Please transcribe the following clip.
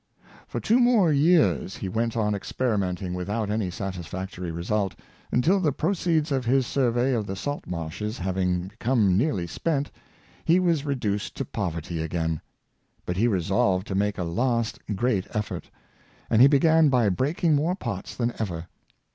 For two more years he went on experimenting with out any satisfactory result, until the proceeds of his sur vey of the salt marshes having become nearly spent, he was reduced to poverty again. But he resolved to make a last great effort; and he began by breaking more pots than ever.